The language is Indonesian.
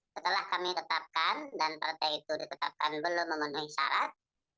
setelah kami tetapkan dan partai itu ditetapkan belum memenuhi syarat